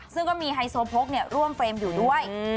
ซึ่งก็มีไฮโซโพกร่วมเฟรมอยู่ด้วย